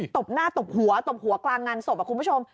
ตบหน้าตบหัวตบหัวกลางงานศพคุณผู้ชม